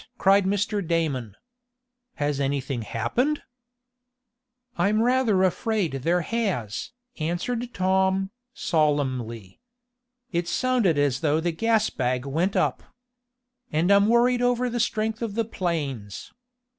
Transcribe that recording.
cried Mr. Damon. "Has anything happened?" "I'm rather afraid there has," answered Tom, solemnly. "It sounded as though the gas bag went up. And I'm worried over the strength of the planes.